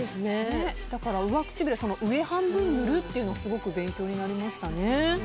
だから、上唇上半分に塗るっていうのはすごく勉強になりましたね。